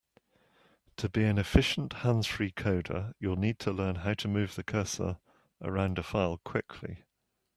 To be an efficient hands-free coder, you'll need to learn how to move the cursor around a file quickly.